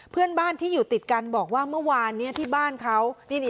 เพื่อนบ้านที่อยู่ติดกันบอกว่าเมื่อวานนี้ที่บ้านเขา